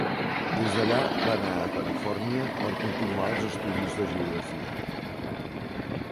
Des d'allà va anar a Califòrnia per continuar els estudis de geografia.